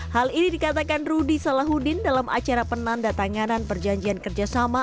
hal ini dikatakan rudy salahuddin dalam acara penanda tanganan perjanjian kerjasama